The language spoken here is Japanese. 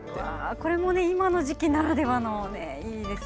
これも今の時期ならではでいいですよね。